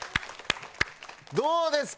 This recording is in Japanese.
どうですか？